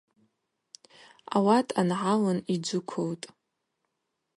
Ауат ангӏалын йджвыквылтӏ.